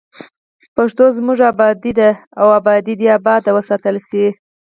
پښتو زموږ ابادي ده او ابادي دې اباد وساتل شي.